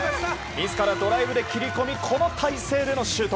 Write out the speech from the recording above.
自らドライブで切り込みこの体勢でのシュート。